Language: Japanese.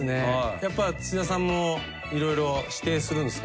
やっぱ土田さんもいろいろ指定するんですか？